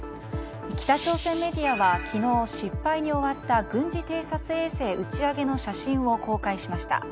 北朝鮮メディアは昨日、失敗に終わった軍事偵察衛星打ち上げの写真を公開しました。